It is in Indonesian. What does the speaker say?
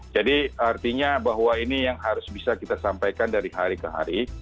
jadi artinya bahwa ini yang harus bisa kita sampaikan dari hari ke hari